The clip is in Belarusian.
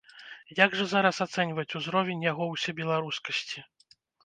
Як жа зараз ацэньваць узровень яго ўсебеларускасці?